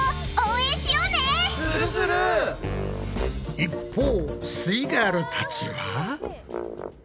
一方すイガールたちは。